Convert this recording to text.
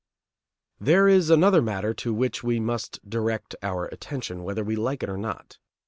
There is another matter to which we must direct our attention, whether we like or not.